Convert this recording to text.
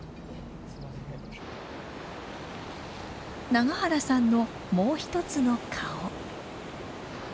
永原さんのもう一つの顔。